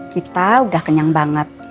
kita udah kenyang banget